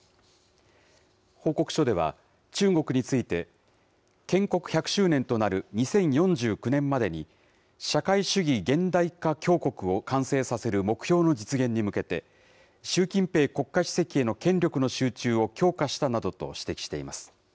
報告書では、中国について、建国１００周年となる２０４９年までに社会主義現代化強国を完成させる目標の実現に向けて、習近平国家主席への権力の集中を強化したなどと指摘しています。